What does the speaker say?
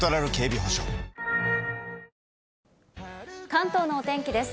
関東のお天気です。